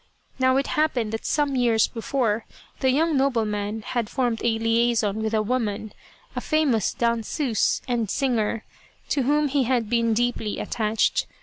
Now, it happened that some years before the young nobleman had formed a liaison with a woman, a famous 230 Kinu Returns from the Grave danseuse and singer, to whom he had been deeply attached.